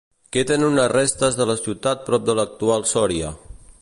Queden unes restes de la ciutat prop de l'actual Sòria.